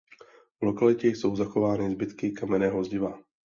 V lokalitě jsou zachovány zbytky kamenného zdiva.